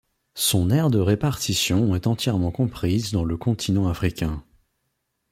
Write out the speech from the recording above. Son aire de répartition est entièrement comprise dans le continent africain.